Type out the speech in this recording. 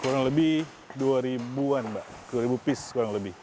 kurang lebih dua ribu an mbak dua ribu piece kurang lebih